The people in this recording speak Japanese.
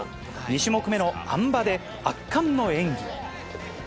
２種目目のあん馬で圧巻の演技。